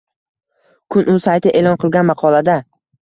Kun.uz sayti e’lon qilgan maqolada